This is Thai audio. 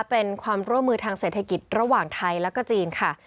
เป็นความร่วมมือทางเศรษฐกิจระหว่างไทยและก็จีนค่ะ